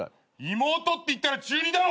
妹っていったら中２だろ！